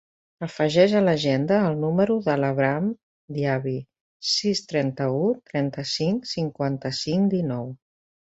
Afegeix a l'agenda el número de l'Abraham Diaby: sis, trenta-u, trenta-cinc, cinquanta-cinc, dinou.